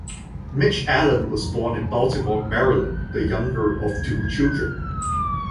Mitch Allan was born in Baltimore, Maryland, the younger of two children.